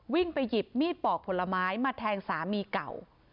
ไปหยิบมีดปอกผลไม้มาแทงสามีเก่า